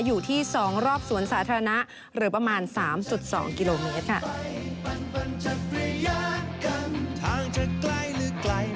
อยู่ที่๒รอบสวนสาธารณะหรือประมาณ๓๒กิโลเมตรค่ะ